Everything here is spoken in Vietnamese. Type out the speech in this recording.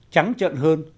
trắng trợn hơn